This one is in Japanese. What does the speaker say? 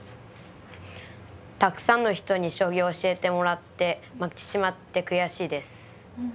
たくさんの人に将棋を教えてもらって負けてしまって悔しいです。